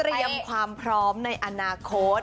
เตรียมความพร้อมในอนาคต